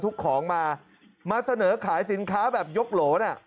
ของมามาเสนอขายสินค้าแบบยกโหลน่ะ